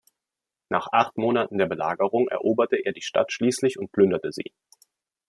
Nach acht Monaten der Belagerung eroberte er die Stadt schließlich und plünderte sie.